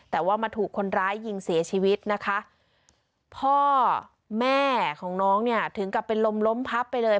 แต่ว่ามาถูกคนร้ายยิงเสียชีวิตนะคะพ่อแม่ของน้องเนี่ยถึงกับเป็นลมล้มพับไปเลย